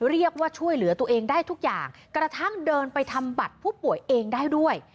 ช่วยเหลือตัวเองได้ทุกอย่างกระทั่งเดินไปทำบัตรผู้ป่วยเองได้ด้วย